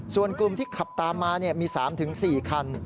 ส่วนกลุ่มที่ขับตามมามี๓๔คัน